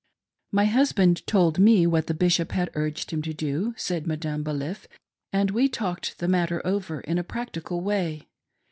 " My husband told me what the Bishop had urged him to do," said Madame Baliff, " and we talked the matter over in a practical way.